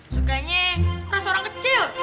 sukanya merasa orang kecil